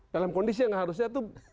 dalam kondisi yang harusnya itu